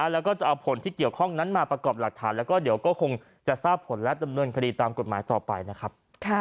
แล้วก็จะเอาผลที่เกี่ยวข้องนั้นมาประกอบหลักฐานแล้วก็เดี๋ยวก็คงจะทราบผลและดำเนินคดีตามกฎหมายต่อไปนะครับ